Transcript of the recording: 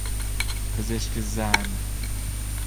پزشک زن